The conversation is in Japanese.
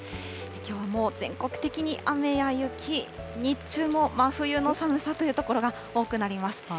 きょうはもう全国的に雨や雪、日中も真冬の寒さという所が多くなります。